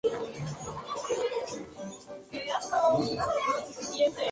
Estudió los volúmenes, compuso sus cuadros en estructuras piramidales y empleó colores vivos.